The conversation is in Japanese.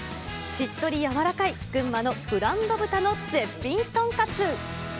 しっとり柔らかい群馬のブランド豚の絶品とんかつ。